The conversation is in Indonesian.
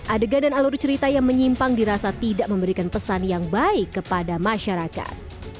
adegan dan alur cerita yang menyimpang dirasa tidak memberikan pesan yang baik kepada masyarakat